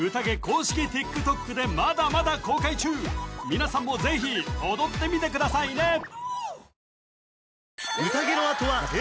公式ＴｉｋＴｏｋでまだまだ公開中皆さんもぜひ踊ってみてくださいね